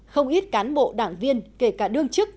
không ít cán bộ đảng viên kể cả đương chức